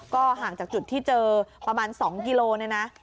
ก็ห่างจากจุดที่เจอประมาณ๒กิโลเนี่ยนะ